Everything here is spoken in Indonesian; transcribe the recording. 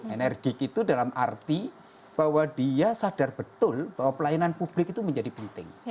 enerjik itu dalam arti bahwa dia sadar betul bahwa pelayanan publik itu menjadi penting